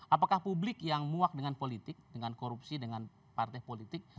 apakah publik yang muak dengan politik dengan korupsi dengan partai politik